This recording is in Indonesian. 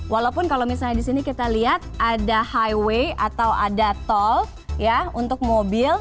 walaupun kalau misalnya di sini kita lihat ada highway atau ada tol ya untuk mobil